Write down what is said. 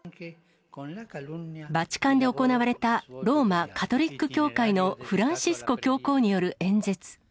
バチカンで行われた、ローマ・カトリック教会のフランシスコ教皇による演説。